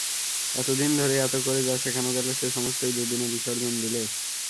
এত দিন ধরে এত করে যা শেখানো গেল সে সমস্তই দু দিনে বিসর্জন দিলে।